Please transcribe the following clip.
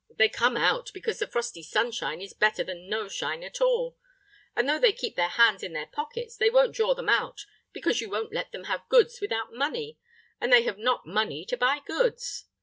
They come out because the frosty sunshine is better than no shine at all; and, though they keep their hands in their pockets, they won't draw them out, because you won't let them have goods without money, and they have not money to buy goods.